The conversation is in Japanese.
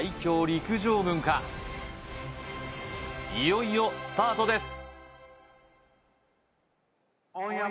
陸上軍かいよいよスタートです